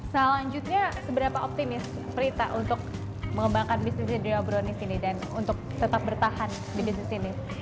selanjutnya seberapa optimis prita untuk mengembangkan bisnis hidro brownies ini dan untuk tetap bertahan di bisnis ini